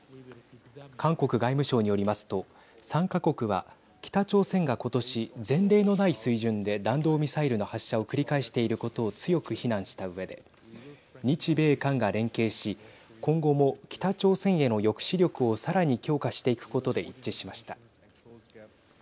韓国外務省によりますと３か国は北朝鮮が今年前例のない水準で弾道ミサイルの発射を繰り返していることを強く非難したうえで日米韓が連携し今後も北朝鮮への抑止力をさらに強化していくことで一致しました。